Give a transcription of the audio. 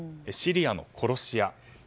シリアの殺し屋。